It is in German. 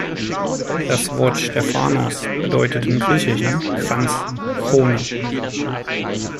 Das Wort "stephanos" bedeutet im Griechischen "Kranz", "Krone".